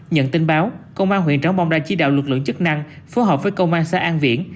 nhận tin báo công an huyện trắng bông đã chỉ đạo lực lượng chức năng phối hợp với công an xã an viễn